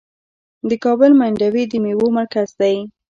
د کابل منډوي د میوو مرکز دی.